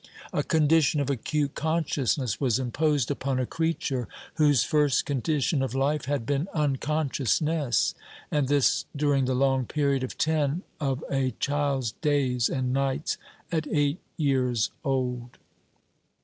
A condition of acute consciousness was imposed upon a creature whose first condition of life had been unconsciousness; and this during the long period of ten of a child's days and nights at eight years old.